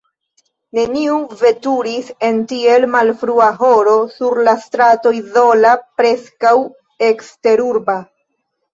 Neniu veturis en tiel malfrua horo sur la strato izola, preskaŭ eksterurba.